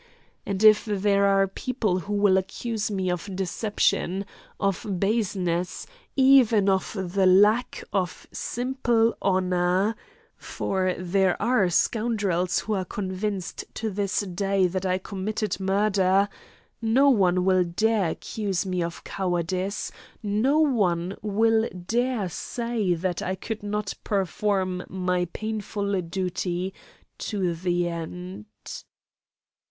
And if there are people who will accuse me of deception, of baseness, even of the lack of simple honour for there are scoundrels who are convinced to this day that I committed murder no one will dare accuse me of cowardice, no one will dare say that I could not perform my painful duty to the end.